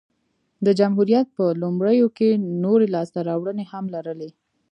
د جمهوریت په لومړیو کې نورې لاسته راوړنې هم لرلې